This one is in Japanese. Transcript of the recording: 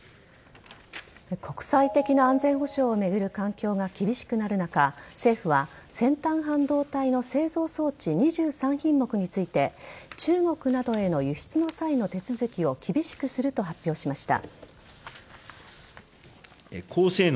国際的な安全保障を巡る環境が厳しくなる中政府は先端半導体の製造装置２３品目について中国などへの輸出の際の手続きを厳しくすると発表しました。